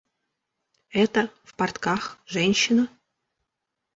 Эта в портках женщина?